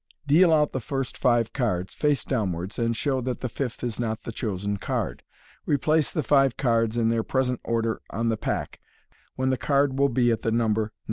Deal out the first five cards, face downwards, and show that the fifth is not the chosen card. Replace the five cards, in their pre sent order on the pack, when the card will be at the number aamed.